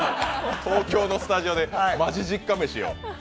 東京のスタジオでマジ実家飯を。